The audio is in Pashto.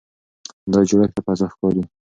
دا جوړښت له فضا ښکاري.